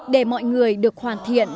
để mọi người được hoàn thiện